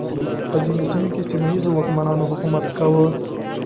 په ځینو سیمو کې سیمه ییزو واکمنانو حکومت کاوه.